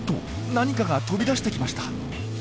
何かが飛び出してきました。